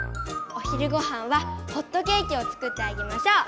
お昼ごはんはホットケーキを作ってあげましょう。